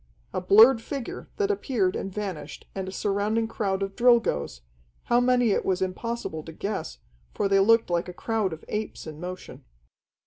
A blurred figure that appeared and vanished, and a surrounding crowd of Drilgoes how many it was impossible to guess, for they looked like a crowd of apes in motion.